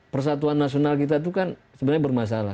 persatuan nasional kita itu kan sebenarnya bermasalah